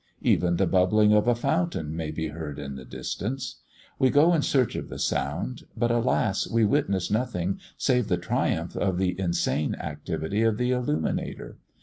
Even the bubbling of a fountain may be heard in the distance. We go in search of the sound; but, alas, we witness nothing save the triumph of the insane activity of the illuminator.